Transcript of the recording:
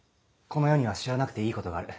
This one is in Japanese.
この世には知らなくていいことがある。